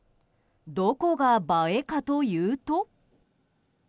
どこが映えかというと。